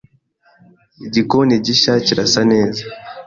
Igikoni gishya kirasa neza